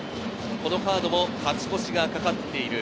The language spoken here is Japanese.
このカードも勝ち越しがかかっている。